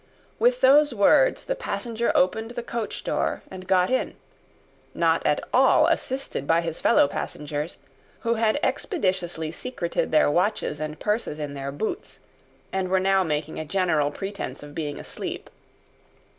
With those words the passenger opened the coach door and got in; not at all assisted by his fellow passengers, who had expeditiously secreted their watches and purses in their boots, and were now making a general pretence of being asleep.